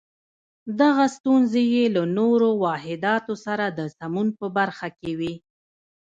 دغه ستونزې یې له نورو واحداتو سره د سمون په برخه کې وې.